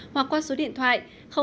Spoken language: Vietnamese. hoặc qua số điện thoại